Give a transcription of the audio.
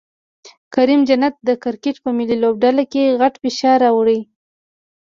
کریم جنت د کرکټ په ملي لوبډلې غټ فشار راوړي